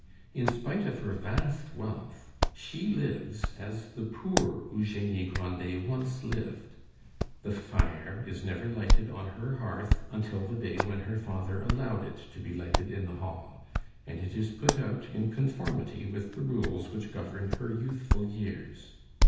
In spite of her vast wealth, she lives as the poor Eugenie Grandet once lived. The fire is never lighted on her hearth until the day when her father allowed it to be lighted in the hall, and it is put out in conformity with the rules which governed her youthful years.